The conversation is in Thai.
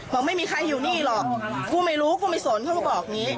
บอกไม่มีใครอยู่นี่หรอกกูไม่รู้กูไม่สนเขาก็บอกอย่างนี้